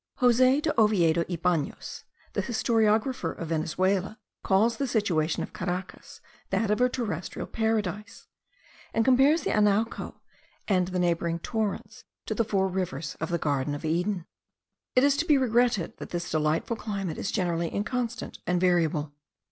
Jose de Oviedo y Banos, the historiographer of Venezuela, calls the situation of Caracas that of a terrestrial paradise, and compares the Anauco and the neighbouring torrents to the four rivers of the Garden of Eden. It is to be regretted that this delightful climate is generally inconstant and variable.